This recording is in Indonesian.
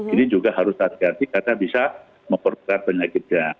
ini juga harus hati hati karena bisa memperberat penyakitnya